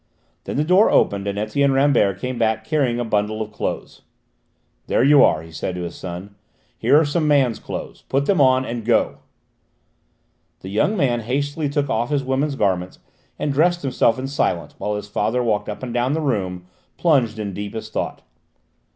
Then the door opened and Etienne Rambert came back carrying a bundle of clothes. "There you are," he said to his son: "here are some man's clothes. Put them on, and go!" The young man hastily took off his woman's garments and dressed himself in silence, while his father walked up and down the room, plunged in deepest thought.